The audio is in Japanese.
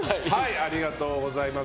ありがとうございます。